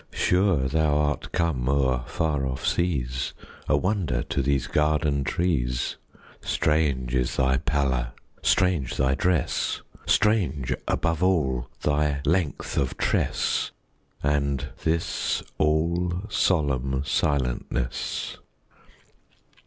Sure thou art come o'er far off seas, A wonder to these garden trees! Strange is thy pallor! strange thy dress! Strange, above all, thy length of tress, And this all solemn silentness!